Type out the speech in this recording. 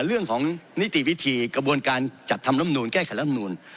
เรื่องของนิติวิธีกระบวนการจัดทำลำนูลแก้ไขรับนูล